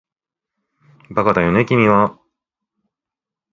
バカだよね君は